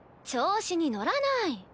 調子に乗らない！